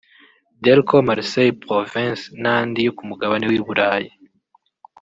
“Delco Marseille Provence” n’andi yo ku mugabane w’i Burayi